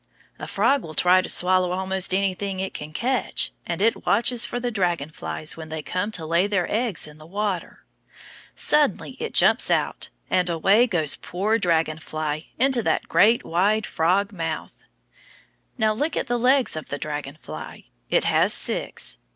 A frog will try to swallow almost anything it can catch, and it watches for the dragon flies when they come to lay their eggs in the water. Suddenly it jumps out, and away goes poor dragon fly into that great wide frog mouth. Now look at the legs of the dragon fly. It has six.